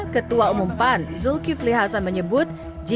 ketua umum pan zulkifli hasan menyebut